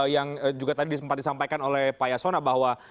yang juga tadi sempat disampaikan oleh pak yasona bahwa